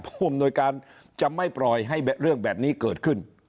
ผู้อำนวยการจะไม่ปล่อยให้เรื่องแบบนี้เกิดขึ้น